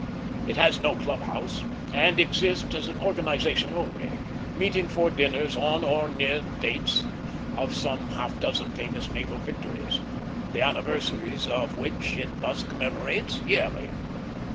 It has no club house, and exists as an organization only; meeting for dinners on or near the dates of some half dozen famous naval victories, the anniversaries of which it thus commemorates yearly.